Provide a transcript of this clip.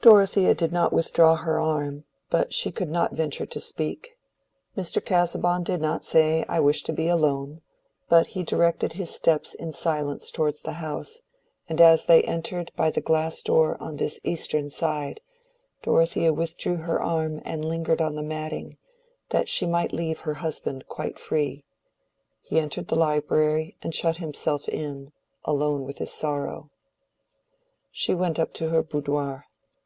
Dorothea did not withdraw her arm, but she could not venture to speak. Mr. Casaubon did not say, "I wish to be alone," but he directed his steps in silence towards the house, and as they entered by the glass door on this eastern side, Dorothea withdrew her arm and lingered on the matting, that she might leave her husband quite free. He entered the library and shut himself in, alone with his sorrow. She went up to her boudoir.